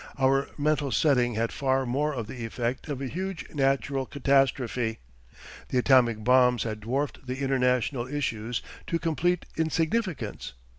Our mental setting had far more of the effect of a huge natural catastrophe. The atomic bombs had dwarfed the international issues to complete insignificance.